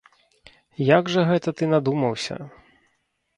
Як жа гэта ты надумаўся?